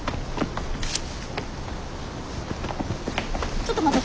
ちょっと持ってて。